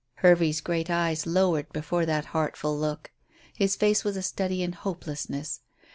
Hervey's great eyes lowered before that heartful look. His face was a study in hopelessness.